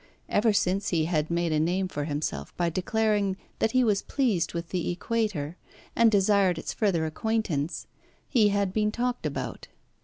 Ever since he had made a name for himself by declaring that he was pleased with the Equator, and desired its further acquaintance, he had been talked about.